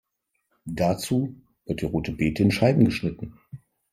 Dazu wird die rote Bete in Scheiben geschnitten.